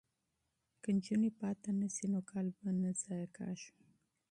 که نجونې ناکامې نه شي نو کال به نه ضایع کیږي.